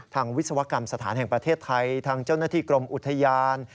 วิศวกรรมสถานแห่งประเทศไทยทางเจ้าหน้าที่กรมอุทยาน